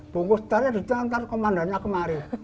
bungkus dari komandannya kemarin